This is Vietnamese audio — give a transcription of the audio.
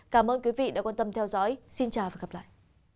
cảm ơn quý vị đã quan tâm theo dõi xin chào và hẹn gặp lại